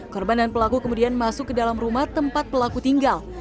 korban dan pelaku kemudian masuk ke dalam rumah tempat pelaku tinggal